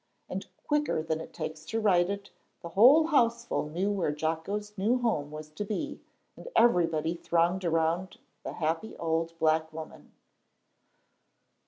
And quicker than it takes to write it, the whole houseful knew where Jocko's new home was to be, and everybody thronged around the happy old black woman.